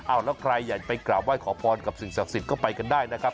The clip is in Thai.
เอาแล้วใครอยากไปกราบไห้ขอพรกับสิ่งศักดิ์สิทธิ์ก็ไปกันได้นะครับ